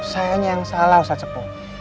sayangnya yang salah ustaz jainal